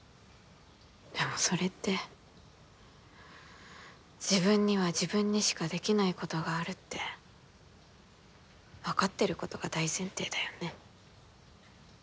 でもそれって自分には自分にしかできないことがあるって分かってることが大前提だよね。